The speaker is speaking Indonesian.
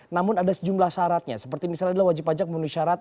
namun ada sejumlah syaratnya seperti misalnya adalah wajib pajak memenuhi syarat